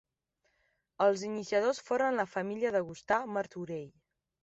Els iniciadors foren la família de Gustà Martorell.